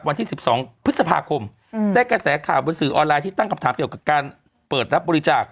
วันที่๑๒พฤษภาคมได้กระแสข่าวบนสื่อออนไลน์ที่ตั้งคำถามเกี่ยวกับการเปิดรับบริจาค